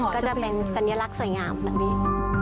ก็จะเป็นสัญลักษณ์สวยงามแบบนี้